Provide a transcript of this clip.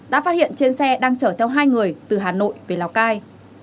đã phát hiện trên xe đang chở theo hai người từ hà nội về lào cai